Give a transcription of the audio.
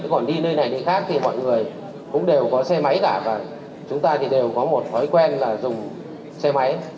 còn đi nơi này đi khác thì mọi người cũng đều có xe máy cả và chúng ta thì đều có một thói quen là dùng xe máy